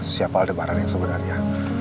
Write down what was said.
siapa ada barang yang sebenarnya